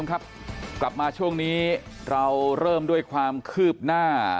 ครับกลับมาช่วงนี้เราเริ่มด้วยความคืบหน้า